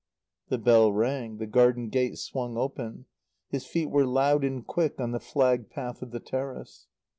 The bell rang, the garden gate swung open; his feet were loud and quick on the flagged path of the terrace.